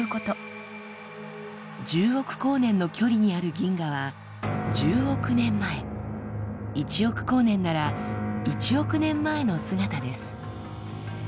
１０億光年の距離にある銀河は１０億年前１億光年なら１億年前の姿です。